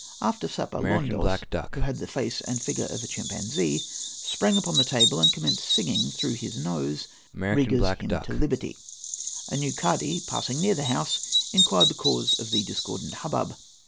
After supper Londos, who had the face and figure of a chimpanzee, sprang upon a table, and commenced singing through his nose Rhiga's "Hymn to Liberty." A new cadi, passing near the house, inquired the cause of the discordant hubbub.